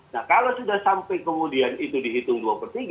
nah kalau sudah sampai kemudian itu dihitung dua per tiga